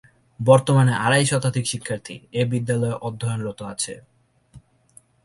বর্তমানে আড়াই শতাধিক শিক্ষার্থী এ বিদ্যালয়ে অধ্যয়নরত আছে।